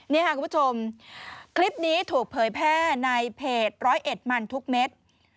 นี่ค่ะคุณผู้ชมคลิปนี้ถูกเผยแพร่ในเพจร้อยเอ็ดมันทุกเม็ด